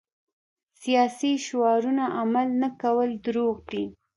سیاسي شعارونه عمل نه کول دروغ دي.